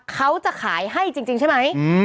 เขาจะขายให้จริงใช่ไหม